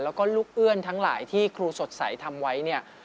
แล้วก็ลูกเอื้อนทั้งหลายที่ครูสดใสทำไว้เนี่ย